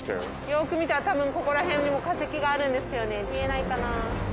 よく見たら多分ここら辺にも化石があるんですよね見えないかな。